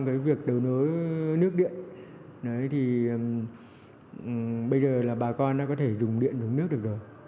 cái việc đầu nối nước điện bây giờ là bà con đã có thể dùng điện đúng nước được rồi